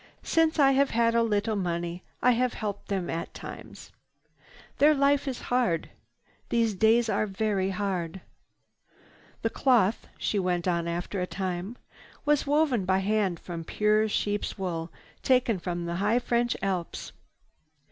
Since I have had a little money I have helped them at times. Their life is hard. These days are very hard. "The cloth," she went on after a time, "was woven by hand from pure sheep's wool taken from the high French Alps."